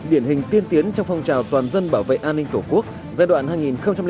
điển hình tiên tiến trong phong trào toàn dân bảo vệ an ninh tổ quốc giai đoạn hai nghìn sáu hai nghìn một mươi tám